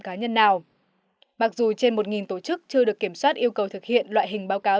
cá nhân nào mặc dù trên một tổ chức chưa được kiểm soát yêu cầu thực hiện loại hình báo cáo